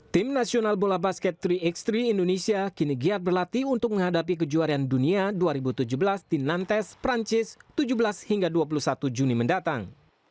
tim nasional bola basket tiga x tiga indonesia kini giat berlatih untuk menghadapi kejuaraan dunia dua ribu tujuh belas di nantes perancis tujuh belas hingga dua puluh satu juni mendatang